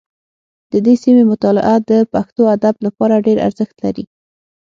د دې سیمې مطالعه د پښتو ادب لپاره ډېر ارزښت لري